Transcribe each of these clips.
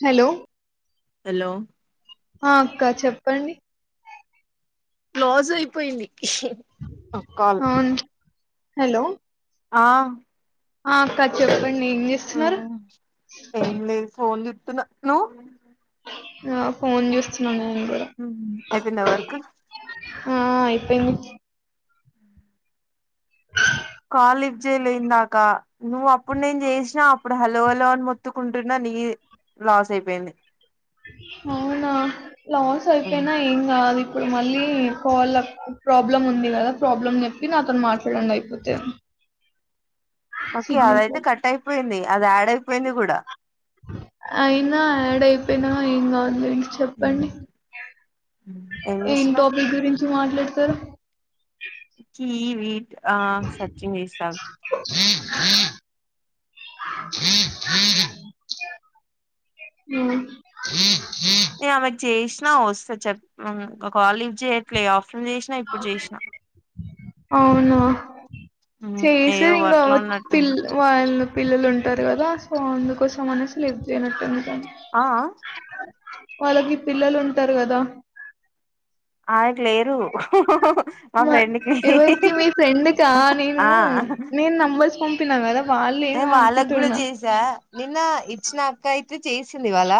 Hello hello ఆ అక్క చెప్పండి క్లోజ్ అయిపోయింది కాల్ అవును హలో ఆ ఆ అక్క చెప్ చెప్పండి ఏం చేస్తున్నారు ఏం లేదు [unintelligible] నువ్వు ఆ ఫోన్ చూస్తూననే హ్మ్ అయిపోయిందా వర్క్ ఆ అయిపోయింది కాల్ లిఫ్ట్ చేయలే ఇందాక నువ్ అప్పుడు నేను చేసినా అప్పుడు హలో హాలో అని మొత్తుకుంటున్నా నీ లాస్ అయిపోయింది అవునా లాస్ అయిపోయినా ఏం గాదు మళ్ళీ కాల్ లో ప్రాబ్లమ్ ఉంది కదా ప్రాబ్లం చెప్పి నాతో మాట్లాడండి అయిపోతే ఓకే సిగ్నల్ అదయితే ప్రాబ్లం కట్ అయిపోయింది అది యాడ్ అయిపోయింది కూడా చెప్పినా ఏం కాదు లే చెప్పండి ఏం టాపిక్ గురించి మాట్లాడుతారు కీవి ఆ సెర్చింగ్ చేస్తా జీ హీ ఆ ఆమెకి చేసినా వస్తే చెప్ ఒక కాలీ లిఫ్ట్ చేయట్లే ఆఫ్టేర్నూన్ చేసినా ఇప్పుడు చేసినా అవునా ఏదో చేసేది ఇంకా వర్క్ లో పిల్ ఉన్నట్టుంది వాళ్ళు పిల్లలు ఉంటారు కదా సో అందుకోసం అనేసి లిఫ్ట్ చేయనట్టు [unintelligible] ఆ ఆ వాళ్ళకి పిల్లలు ఉంటారు కదా అయకి లేరు మా ఫ్రెండ్కి ఎవరికి లేరు మీ ఫ్రెండ్ కా నేను నేను నంబర్స్ పం చెప్తున కదా వాళ్ళు నే ఏమో వాళ్ళకి కూడా అనుకుంటున్నా చేసా నిన్న ఇట్ నాకా చేసలి ఇవాల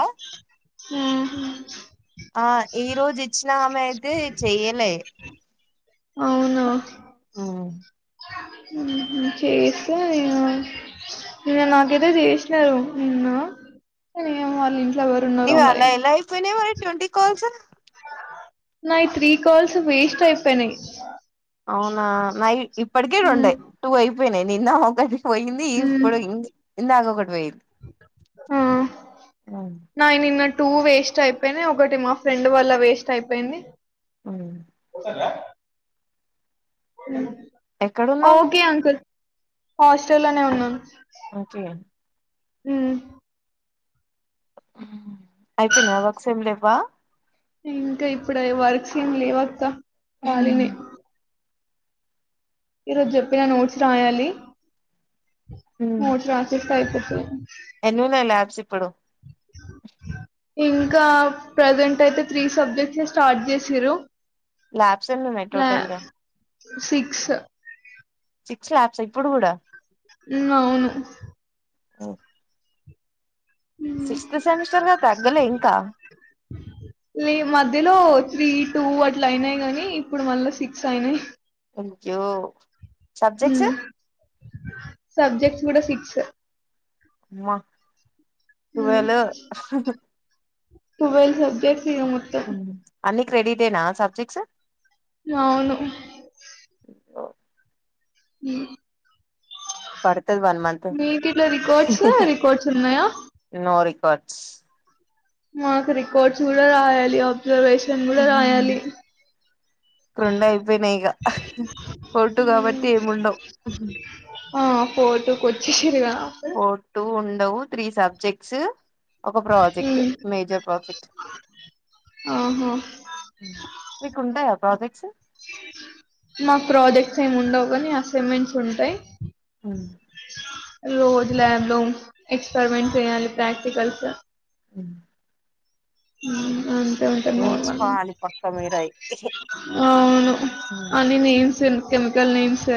ఆ ఈ రోజు ఇచ్చినా ఆమె అయితే చెయ్యలే అవును ఉమ్ చేస్తే నే నాకైతే చేసినారు నిన్న వాళ్ళ ఎవరు ఉన్నారో నీవా మరి అలా ఎలా అయిపోయినాయి మరి ట్వంట కోల్స్ నాయి త్రీ కాల్స్ వేస్ట్ అయిపోయినాయి అవునా నావి ఇప్పటికీ ఉమ్ రెండే టూ అయిపో పనే ఇన్న కది పోయింది ఉమ్ ఇప్పుడు ఇ ఇందాక ఒకటి వెయిదు ఆ నాయి నిన్న టూ వేస్ట్ అయిపోయినాయి ఒకటి మా ఫ్రెండ్ వల్ల వేస్ట్ అయిపోయింది ఉమ్ పోతాంద మ్ ఎక్కడున్నావ్ ఓకే అంకుల్ హాస్టల్ లోనే ఉన్నాను ఓకే మ్ అయిపోయినా వక్స ఏం లేవా మ్ ఇంకా ఇప్పుడే వర్క్స్ ఏమి లేవక్క పాలిని ఈరోజు చెప్పిన నోట్స్ రాయాలి హు ట్రాన్షిఫ్ట్ అయితే అ ఎన్నున్నాయ్ లాబ్స్ ఇప్పుడు ఇంకా ప్రెజెంట్ అయితే త్రీ సబ్జెక్ట్స్ స్టార్ట్ చేసిర్రు లాబ్స్ ఏనున్నయ్ లా టోటల్ గా సిక్స్ సిక్స్ ల్యాబ్స్ ఇప్పుడు గుడా హుమ్ అవును హు హుమ్ సెమిస్టర్ గా తగ్గలే ఇంకా ఈ మధ్యలో త్రీ టూ అట్ల అయినాయి గానీ ఇప్పుడు మళ్ళా సిక్స్ అయినాయి యో ఉ సబ్జెక్ట్స్ కూడా సి క్స్ మా టువలు టువెల్ సబ్జెక్ట్ ఇగ మొత్తం క్రేడిదేనా సబ్జెక్ట్స్ అవును అ పడుతది వన్ మంత్ మీకు ఇట్లా రికార్డ్స్ రికార్డ్స్ ఉన్నాయా కాడ్స్ మాకు రికార్డ్స్ కూడా రాయాలి అబ్ ప్రోన్ని అయిపోయినై ఇగ ఫోటు కాబట్టి ఏమిండవు ఆ ఫోటు వచేసిర్గా ఆపు డవు త్రీ సబ్జెక్ట్స్ ఒక ప్రాజెక్ట్ ఉమ్ మేజర్ ప్రాజెక్ట్ ఆహా మీకుంటాయా ప్రాజెక్ట్ చు మాకు ప్రాజెక్ట్స్ ఏమి ఉండవు కని అసైన్మెంట్స్ ఉంటాయి అ రోజు ల్యాబ్ లో ఎక్స్పరిమెంట్ చేయాలి ప్రాక్టికల్స్ ఉ ఆ అవును ఉంటే ఉంటే నోర్వాన్ నేర్చుకోవాలి పక్క మీరు అయి అవును అని నేను సిల్వు కెమికల్ నేమ్స్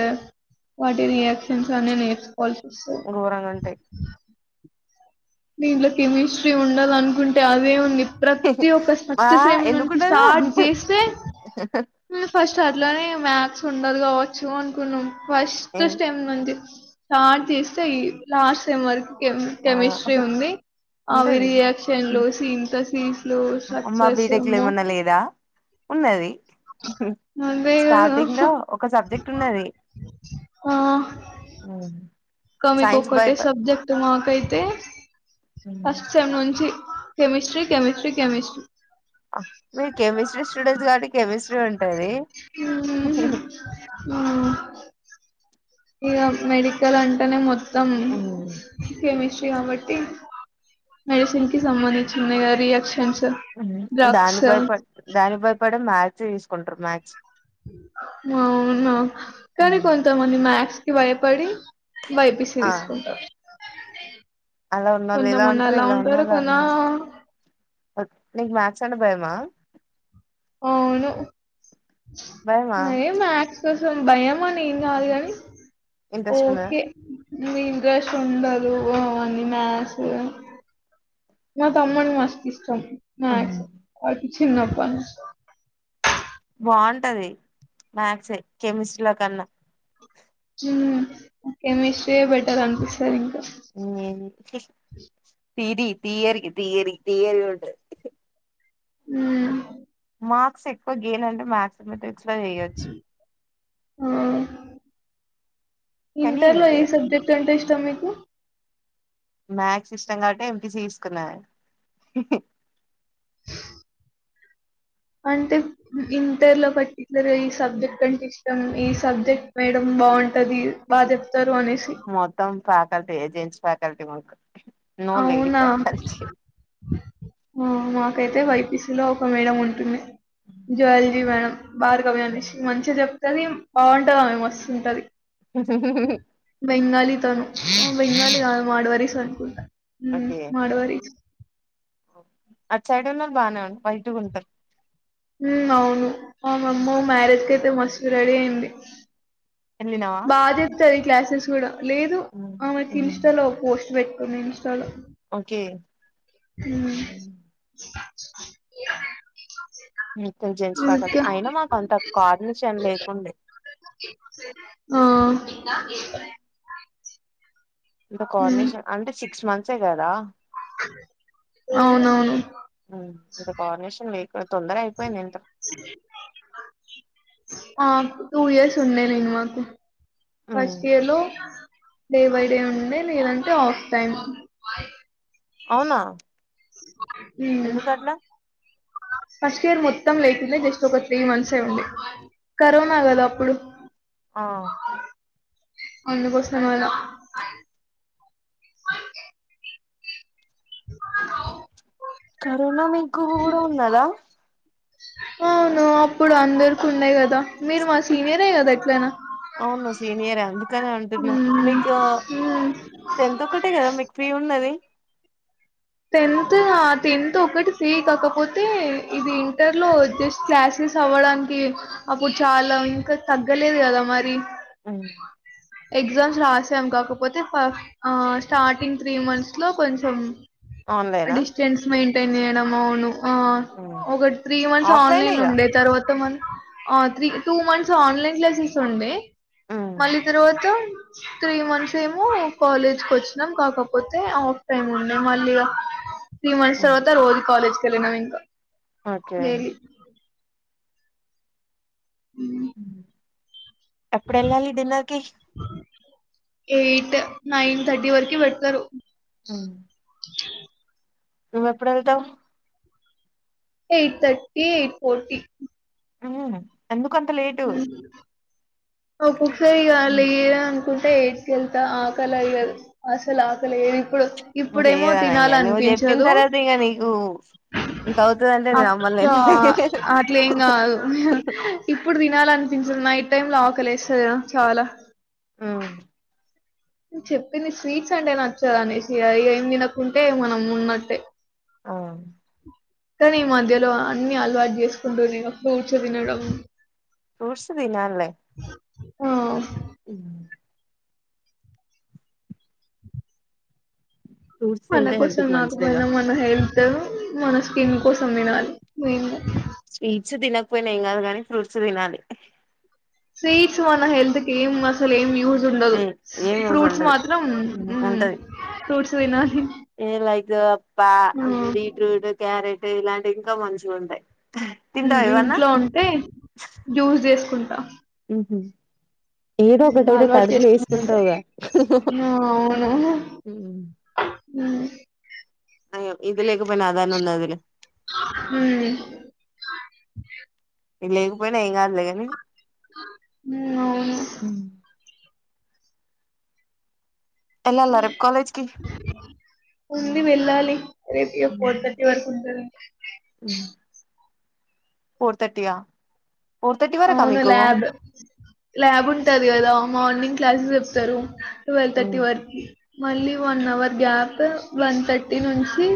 వాటి రియాక్షన్స్ అని నేర్చు కాల్శిశు ఘోరంగా ఉంటాయి దీంట్లో కెమిస్ట్రీ ఉండదు అనుకుంటే అదే ఉంది ప్రతి ఒక్క ఆ ఫస్ట్ సేమ్ నుంచి ఎందుకుండదు స్టార్ట్ చేస్తే ఫస్ట్ అట్లానే మ్యాథ్స్ ఉండదు కావచ్చు అనుకున్నాం ఫస్ట్ సేమ్ నుంచి స్టార్ట్ చేస్తేయి లాస్ట్ సేమ్ వరకు కేమ్ ఆ కెమిస్ట్రీ తే ఉంది అవి ఉంటది రియాక్షన్ లో సింథసిస్ లు మా స్ట్రక్చర్స్ బీటెక్ లో వామ్మో ఏమన్నా లేదా ఉన్నది అదే స్టార్టింగ్ లో కదా ఒక సబ్జెక్ట్ ఉన్నది ఆ ఇంకా మీకు సైన్స్ బై ఒక్కటే సబ్జెక్ట్ మాకైతే ఫస్ట్ సేమ్ నుంచి కేమిస్ట్రీ కేమిస్ట్రీ మీరు కెమిస్ట్రీ స్టూడెంట్స్ కాబట్టి కెమిస్ట్రీ ఉంటది కెమిస్ట్రీ ఇ మెడికల్ అంటేనే మొత్తం తం కెమిస్ట్రీ కాబట్టి మెడిసిన్ కి సంబంధించిన రియాక్షన్స్ డ్రగ్స్ దానికి భయపడి ప దానికి భయపడే మ్యాథ్స్ తీసుకుంట్రూ మ్యాక్స్ అవును కనీ కొంత మంది మ్యాస్ కి భయపడి బైపిసి ఆ తీసుకుంటాంరూ అలా ఉన్న వాళ్ళు ఇలా ఉంటారు అలా ఇలా ఉన్నళ్ళ కొనా అలా నీకు మ్యాథస్ అంటే భయమా అవును భయమా ఏ మ్యాస్ కోసం భయం భయమని ఏం కాదు గాని ఇంట్రెస్ట్ ఉండదా ఓకే ఇక ఇంట్రెస్ట్ ఉండదు అని మ్యాథ్స్ మా తమ్మని మస్తిష్టం మ్యాథ్స్ చిన్నప్పటినుంచి బాగుంటది మ్యాథ్స్ హే కెమిస్ట్రీ ల కన్నా చా కెమిస్ట్రీయే బెటర్ అనిపిస్తది ఇంకా హు తిరి త తీయరి త తీరి త తీయరి ఉంట ఉ మార్క్స్ ఎక్కువ గేన్ అంటే మ్యాక్స్ [unintelligible] చాయ్ ఇంటర్ లో ఈ సబ్జెక్ట్ అంటే ఇష్టం మీకు హు మ్యాథ్స్ ఇష్టం కాబట్టి ఎంపిసి తీసుకున్నా అంటే ఇంటర్ లో పర్టికులర్ ఈ సబ్జెక్ట్ కంటే ఇష్టం ఈ సబ్జెక్ట్ మేడం బాగుంటది బాగా చెప్ తరు అనేసి మొత్తం ఫ్యాకల్టీ జెంట్స్ ఫాకల్టీ అవునా హు మాకైతే వైపీస లో ఒక మేడ ఉంట అ జూవాలాజీ మేడం బాారు కబ అనిసి మంచి జప్ కానీ బాగుంటది ఆమె మస్తుంటది బెంగాళితను బెంగాలీ కాదు మద్వరీస్ హు హూ ఓకే మద్వరీస్ అటు సైడ్ ఉన్నారు బానే ఉండి బయట ఉంటారు ఉ అవును మా మా అమ్మ మ్యారేజ్ క అయితే మస్తు రెడీ అయింది ఆ వెళ్ళినావా బ చెప్తది క్లాసెస్ కూడా లేదు ఆమెకి ఇన్స్టాలో పోస్ట్ పెట్ తన ఇన్స్టాల్ ఓకే హ్మ్మ్ ఆ ము్యం జన్ంచక అయినా మాకు అంత కోఆర్డినేషన్ లేకుండే నా ఏ ఇ కోఆర్డినేషన్ అంటే సిక్స్ మంత్సే కదా అవునవును. ఇ కోఆర్డినేషన్ వెహికల్ తొందర అయిపోయింది ఏంటో టూ ఇయర్స్ ఉండే నేను మాకు ఉమ్, ఫస్ట్ ఇయర్ లో డే బై డే ఉండే నేనంటే ఆఫ్ టైమ్ అవునా హ ఎందుకట్లా ఫస్ట్ ఇయర్లో మొత్తం లేకుండే జస్ట్ ఒక త్రీ మంత్స్ అ ఉంది కరోనా కదా అప్పుడు ఆ అందుకోసం అని కరోనా మీ ఇంకు కూడా ఉన్నదా అవును అప్పుడు అవును సీనియర్ అందుకనే అంటున్నా మ్మ్. మీకు మ్మ్. టెన్త్ టెన్త్ ఒకటి ఫ్రీ కాకపోతే ఇది ఇంటర్లో జస్ట్ క్లాసెస్ అవ్వడానికి అప్పుడు చాలా ఇంకా తగ్గలేదు కదా మరి అ ఎగ్జామ్స్ రాసాం కాకపోతే ఫ ఆ స్టార్టింగ్ త్రీ మంత్స్ లో కొంచెం ఆన్లైనా డిస్టెన్స్ మె అ నడం అవును ఆ ఉమ్, ఒకటి త్రీ మంత్స్ ఆన్లైన్ లో ఆఫ్లైనేగా ఉండే తర్వాత మన ఆ three two months online classes ఉండే ఉమ్, మళ్ళీ తర్వాత త్రీ మంత్స్ ఏమో కాలేజ్కి వచ్చినాం కాకపోతే ఆఫ్ టైమ్ ఉం మల్లిగా త్రీ మంత్స్ ఉమ్, తర్వాత రోజు కాలేజ్ ఎళ్ళినం ఇంకా ఓకే డైలీ హుమ్ ఎప్పుడెల్లాలి డిన్నర్ కి ఎయిట్ నైన్ థర్టీ వరకు పెడతారు అ నువ్వ ఎప్పుడు వెళ్తావు ఎయిట్ థర్టీ ఎయిట్ ఫర్టీ అవునా ఎందుకు ఒక్కొక్కసారిగా లేట్ కుంటా ఏట్కెళ్తా ఆ ఆకలి వెయ్యదు అసలు అసలు ఏ ఇప్పుడు ఇప్పుడేమో ఇంకేయదానా తినాల ఇంగ నువ్వు చెప్పిన అనిపించదు తర్వాత ఇంగ నీకు ఇంక అవుతదంటే నేను అక్క నమ్మలేనులే అట్లే ఏం కాదు తినాలి అనిపించదు నైట్ టైమ్ లాకలేస్తుద చాలా ఆ చెప్పింది స్వీట్స్ అంటే నచ్చాద అనేసి ఇకం తినకుంటే మనం ఉన్నట్టే ఆ కానీ ఈ మధ్యలో అన్ని అలవాటు చేసుకుంటూ నేను కూర్చో తినడం ఫ్రూట్స్ తినాలే ఆ అ ఫ్రూట్స్ మన తింటే హెల్త్ కోసం కి మంచిదేగా గాకపోయినా మన హెల్త్ త్ మన స్కిన్ కోసం తీనాలే మెయిన్గా స్వీట్స్ తినకపోయినా ఏం కాదు కానీ ఫ్రూట్స్ తినాలి స్వీట్ మన్న హెల్త్ కి ఏం మ అసలు ఏం యూస్ ఉండదు ఉమ్ ఏం యూజ్ ఫ్రూట్స్ ఉండదు మాత్రం ఊ ఉంటది ఫ్రూట్స్ తినాలి ఏ లైక్ పా ఆ బీట్రూటు క్యారెట్ ఇలాంటివి ఇంకా మంచిగా ఉంటాయి ఉ ఇంట్లో ఉంటే జ్యూస్ చేస్ కుంట ఉ ఏదో ఒకటైతే అలవాటు కడపులో చేసుకుంటా ఏసుకుంటావుగా ఆ, ఉ అయ్యో ఇది లేకపోయినా అదన్న ఉన్నది లే ఉ లేకపోయినా ఏం కాదులే గాని ఉ అవును ఎల్లాలా రేపు కాలేజ్ కి ఉంది వెళ్ళాలి రేపు ఇక ఫోర్ థర్టీ వరకు ఉంటద four thirty yeah four thirty వరకా అవును మీకు ల్యాబ్. ల్యాబ్ ఉంటది గదా మార్నింగ్ క్లాసెస్ చెప్తారు ట్వల్వ్ థర్టీ వరకి మళ్ళీ one hour gap one thirty నుంచి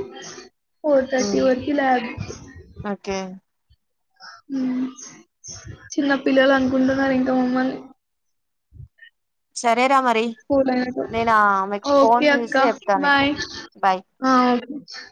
ఫోర్ థర్టీ వరకి ల్యాబ్ ఓకే హ్మ్ చిన్న పిల్లలు అనుకుంటున్నారు ఇంకా మమ్మల్ని [unintelligible] స్కూల్ ఎనక నేను ఆమెకు ఫోన్ ఓకే చేసి అక్కా చెప్తా నీకు బాయ్ బాయ్ఆ ఓకే